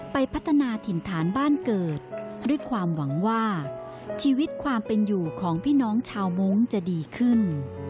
ไปพัฒนาถิ่นฐานบ้านเกิดด้วยความหวังว่าชีวิตความเป็นอยู่ของพี่น้องชาวมงค์จะดีขึ้น